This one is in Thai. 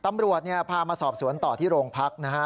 ตำรวจพามาสอบสวนต่อที่โรงพักนะฮะ